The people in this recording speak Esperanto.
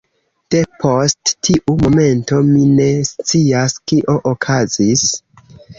Depost tiu momento, mi ne scias, kio okazis.